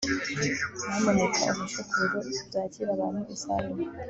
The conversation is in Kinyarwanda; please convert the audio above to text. nyamuneka umpishe ku biro byakira abantu isaha imwe